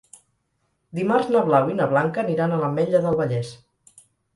Dimarts na Blau i na Blanca aniran a l'Ametlla del Vallès.